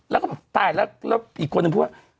แล้วก็ตายแล้วอีกคนนึงพูดว่า